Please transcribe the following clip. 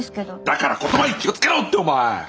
だから言葉に気を付けろってお前！